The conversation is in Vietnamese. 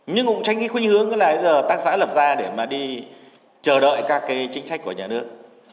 nhưng cũng tránh cái khuyên hướng là hợp tác xã lập ra để mà đi chờ đợi các cái chính sách của nhà nước